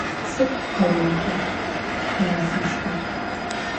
Sıd pkhığoxa tiklass yitxer?